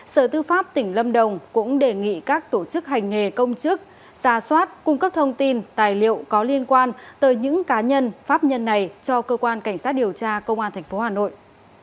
sở tư pháp tỉnh lâm đồng cũng đề nghị các tổ chức hành nghề công chức ra soát cung cấp thông tin tài liệu có liên quan tới những cá nhân pháp nhân này cho cơ quan cảnh sát điều tra công an tp hà nội